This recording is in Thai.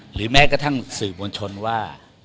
หรือแม้กระทั่งสื่อมวลชนว่า